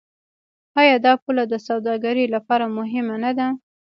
آیا دا پوله د سوداګرۍ لپاره مهمه نه ده؟